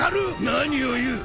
何を言う。